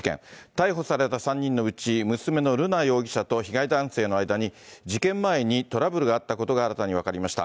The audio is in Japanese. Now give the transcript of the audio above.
逮捕された３人のうち、娘の瑠奈容疑者と被害男性の間に、事件前にトラブルがあったことが新たに分かりました。